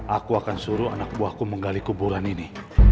aku akan suruh anak buahku menggali kuburan ini